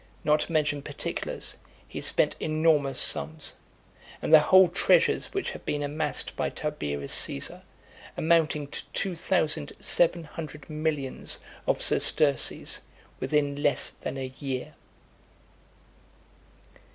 Not to mention particulars, he spent enormous sums, and the whole treasures which had been amassed by Tiberius Caesar, amounting to two thousand seven hundred millions of sesterces, within less than a year.